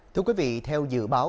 thưa quý vị theo dự báo